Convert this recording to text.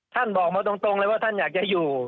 บอกมาตรงเลยว่าท่านอยากจะอยู่